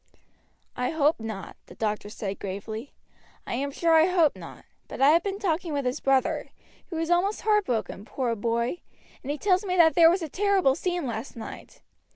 "I hope not," the doctor said gravely, "I am sure I hope not; but I have been talking with his brother, who is almost heartbroken, poor boy, and he tells me that there was a terrible scene last night.